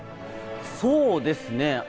そうですね。